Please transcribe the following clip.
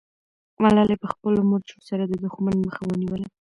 ملالۍ په خپلو مرچو سره د دښمن مخه ونیوله.